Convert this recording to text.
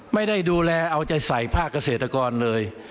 ไม่ได้ดูแลเอาใจใส่ภาคเกษตรกรเลย